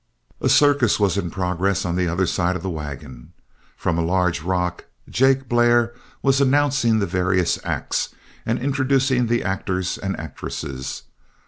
A circus was in progress on the other side of the wagon. From a large rock, Jake Blair was announcing the various acts and introducing the actors and actresses.